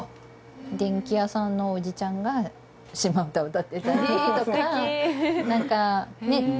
電器屋さんのおじちゃんがシマ唄うたってたりとか何かね